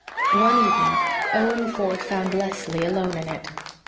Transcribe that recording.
One evening Owen Ford found Leslie alone in it.